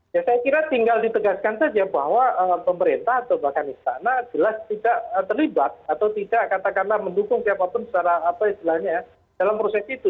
ya saya kira tinggal ditegaskan saja bahwa pemerintah atau bahkan istana jelas tidak terlibat atau tidak katakanlah mendukung siapapun secara apa istilahnya ya dalam proses itu